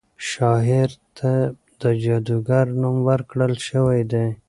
شاعر ته د جادوګر نوم ورکړل شوی دی.